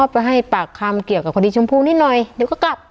ไปให้ปากคำเกี่ยวกับคดีชมพูนิดหน่อยเดี๋ยวก็กลับ